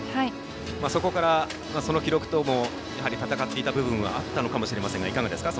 そこから、その記録ともやはり戦っていた部分はあったのかもしれませんがいかがですか？